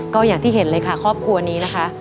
ก็อย่างที่เห็นเลยค่ะครอบครัวนี้นะคะ